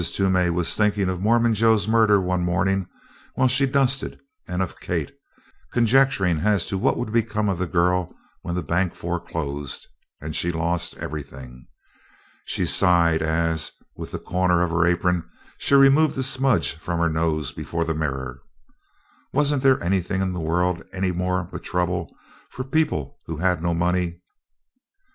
Toomey was thinking of Mormon Joe's murder one morning while she dusted, and of Kate conjecturing as to what would become of the girl when the bank foreclosed and she lost everything. She sighed as, with the corner of her apron, she removed a smudge from her nose before the mirror. Wasn't there anything in the world any more but trouble for people who had no money?